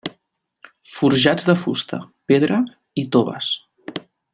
Forjats de fusta, pedra i toves.